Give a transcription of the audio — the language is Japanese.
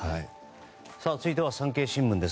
続いては産経新聞です。